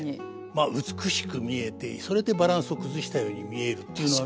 まあ美しく見えてそれでバランスを崩したように見えるっていうのは。